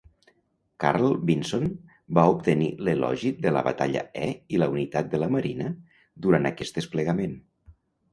"Carl Vinson" va obtenir l'Elogi de la Batalla E i la Unitat de la Marina durant aquest desplegament.